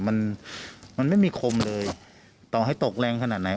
มันมันไม่มีคมเลยต่อให้ตกแรงขนาดไหน